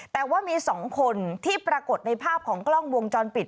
แต่ว่ามี๒คนที่ปรากฏในภาพของกล้องวงจรปิด